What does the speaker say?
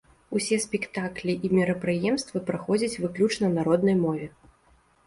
Усе спектаклі і мерапрыемствы праходзяць выключна на роднай мове.